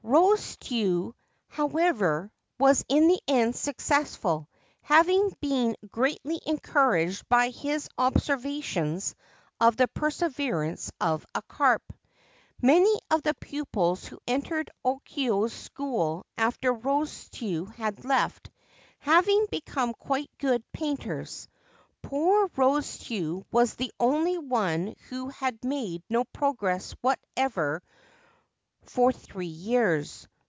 Rosetsu, however, was in the end successful, having been greatly encouraged by his observations of the perseverance of a carp. Many of the pupils who had entered Okyo's school after Rosetsu had left, having become quite good painters. Poor Rosetsu was the only one who had made no progress whatever for three years.